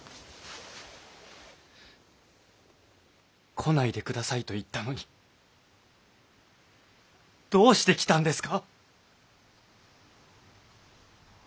「来ないでください」と言ったのにどうして来たんですか？